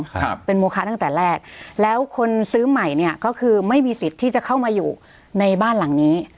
ครับเป็นโมคะตั้งแต่แรกแล้วคนซื้อใหม่เนี้ยก็คือไม่มีสิทธิ์ที่จะเข้ามาอยู่ในบ้านหลังนี้